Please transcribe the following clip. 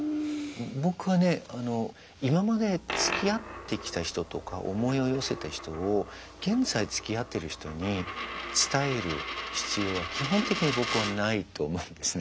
僕はねあの今までつきあってきた人とか思いを寄せた人を現在つきあってる人に伝える必要は基本的に僕はないと思うんですね。